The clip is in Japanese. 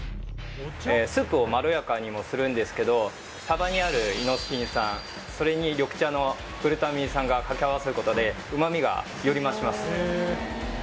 スープをまろやかにもするんですけどサバにあるイノシン酸それに緑茶のグルタミン酸が掛け合わさることで旨味がより増します